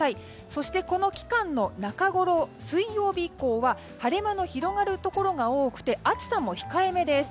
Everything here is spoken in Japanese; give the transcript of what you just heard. そしてこの期間の中ごろ水曜日以降は晴れ間の広がるところが多くて暑さも控えめです。